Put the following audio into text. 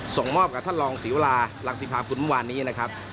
ส่งมอบกับท่านรองศรีวรารังศิพากุลเมื่อวานนี้นะครับ